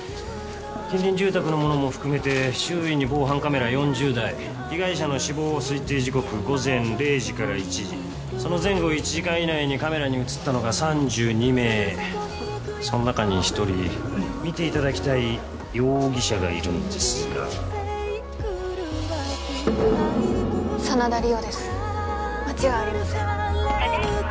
近隣住宅のものも含めて周囲に防犯カメラ４０台被害者の死亡推定時刻午前０時から１時その前後１時間以内にカメラに写ったのが３２名その中に１人見ていただきたい容疑者がいるんですが真田梨央です間違いありません